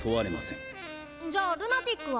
んじゃルナティックは？